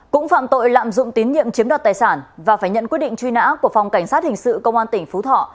cũng phạm tội lạm dụng tín nhiệm chiếm đoạt tài sản và phải nhận quyết định truy nã của phòng cảnh sát hình sự công an tỉnh phú thọ